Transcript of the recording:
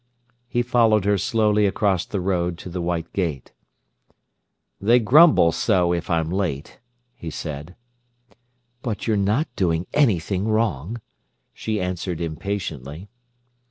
He followed her slowly across the road to the white gate. "They grumble so if I'm late," he said. "But you're not doing anything wrong," she answered impatiently.